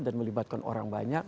dan melibatkan orang banyak